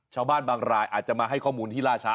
ชาวบ้านบางรายอาจจะมาให้ข้อมูลที่ล่าช้า